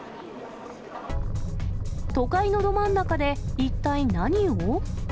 都会のど真ん中で一体、何を？